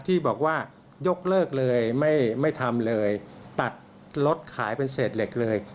ที่บอกว่ายกเลิกเลยไม่ทำเลยตัดรถขายเป็นเศษเหล็กเลย